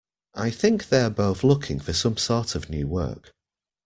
I think they're both looking for some sort of new work.